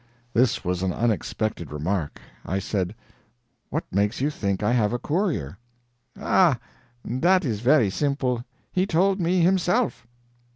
This was an unexpected remark. I said: "What makes you think I have a courier?" "Ah, that is very simple; he told me himself."